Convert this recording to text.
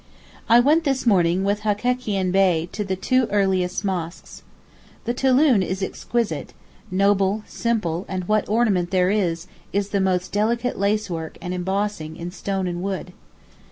I went this morning with Hekekian Bey to the two earliest mosques. The Touloun is exquisite—noble, simple, and what ornament there is is the most delicate lacework and embossing in stone and wood.